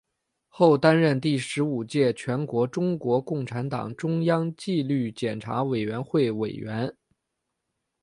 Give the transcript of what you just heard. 后担任第十五届全国中国共产党中央纪律检查委员会委员。